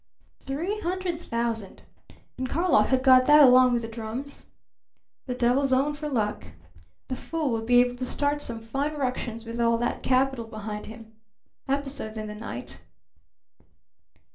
Three hundred thousand! And Karlov had got that along with the drums. The devil's own for luck! The fool would be able to start some fine ructions with all that capital behind him. Episodes in the night.